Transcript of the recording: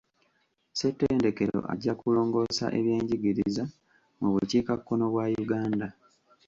Ssetendekero ajja kulongoosa eby'enjigiriza mu bukiikakkono bwa Uganda.